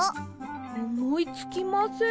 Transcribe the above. おもいつきません。